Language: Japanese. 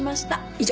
以上。